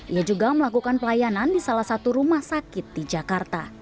ia juga melakukan pelayanan di salah satu rumah sakit di jakarta